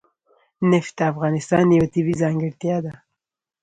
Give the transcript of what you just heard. نفت د افغانستان یوه طبیعي ځانګړتیا ده.